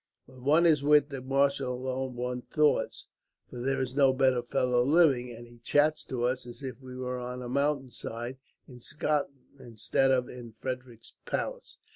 When one is with the marshal alone, one thaws; for there is no better fellow living, and he chats to us as if we were on a mountain side in Scotland, instead of in Frederick's palace.